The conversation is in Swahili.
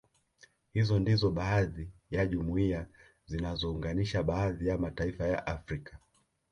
Hizo ndizo baadhi ya jumuiya zinazounganisha baadhi ya mataifa ya Afrika